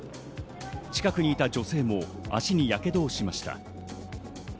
近くにいた女性も足にヤケドをしました。